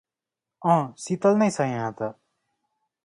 A शीतल नै छ यहाँ त ।